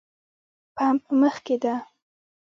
پمپ مخکې ده